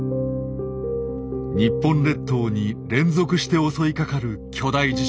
日本列島に連続して襲いかかる巨大地震。